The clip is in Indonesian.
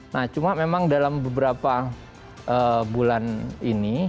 nah cuma memang dalam beberapa bulan ini